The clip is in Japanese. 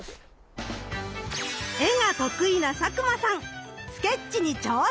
絵が得意な佐久間さん。